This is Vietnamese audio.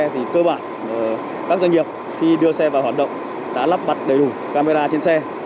thì cơ bản các doanh nghiệp khi đưa xe vào hoạt động đã lắp đặt đầy đủ camera trên xe